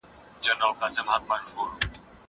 هغه وويل چي کالي وچول مهم دي!!